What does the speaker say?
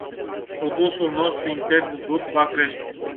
Produsul nostru intern brut va crește.